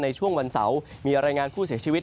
ในช่วงวันเสาร์มีรายงานผู้เสียชีวิต